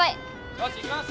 よしいきます！